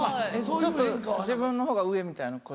ちょっと自分のほうが上みたいなこと？